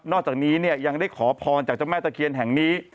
จากนี้เนี่ยยังได้ขอพรจากเจ้าแม่ตะเคียนแห่งนี้